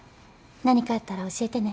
何かあったら教えてね。